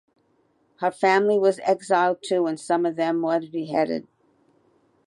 Her family was exiled too and some of them was beheaded.